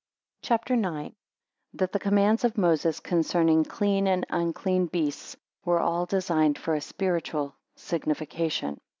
CHAPTER IX. That the commands of Moses concerning clean and unclean beasts, were all designed for a spiritual signification.